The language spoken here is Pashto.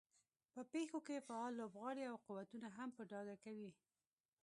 په پېښو کې فعال لوبغاړي او قوتونه هم په ډاګه کوي.